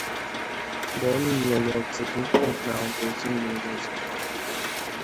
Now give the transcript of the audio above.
Born in New York City, he is now based in New Jersey.